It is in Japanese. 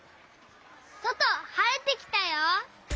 そとはれてきたよ。